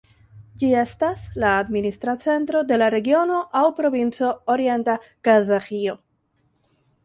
Ĝi estas la administra centro de la regiono aŭ provinco Orienta Kazaĥio.